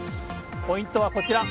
ポイントはこちら。